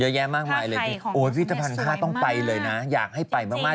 เยอะแยะมากมายเลยโอ้ยพิธภัณฑ์ผ้าต้องไปเลยนะอยากให้ไปมาก